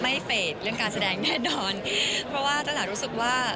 เฟสเรื่องการแสดงแน่นอนเพราะว่าตลาดรู้สึกว่า